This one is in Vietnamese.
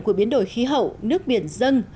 của biến đổi khí hậu nước biển dâng